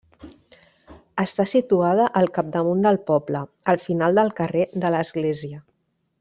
Està situada al capdamunt del poble, al final del carrer de l'Església.